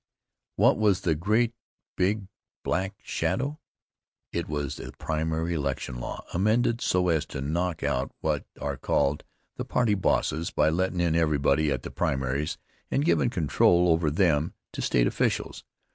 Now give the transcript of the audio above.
What was the great big black shadow? It was the primary election law, amended so as to knock out what are called the party bosses by lettin' in everybody at the primaries and givin' control over them to state officials.